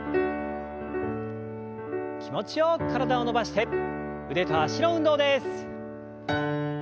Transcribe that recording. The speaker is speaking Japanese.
気持ちよく体を伸ばして腕と脚の運動です。